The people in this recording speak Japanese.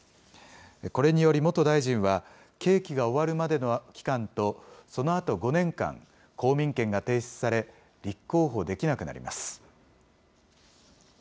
これにより、元大臣は、刑期が終わるまでの期間とそのあと５年間、公民権が停止され、立候補できなくなります。